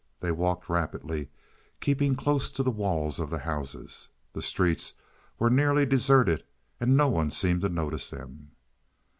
They walked rapidly, keeping close to the walls of the houses. The streets were nearly deserted and no one seemed to notice them.